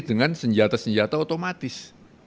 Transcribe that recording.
dengan senjata senjata otomatis